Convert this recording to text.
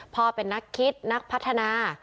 เป็นนักคิดนักพัฒนา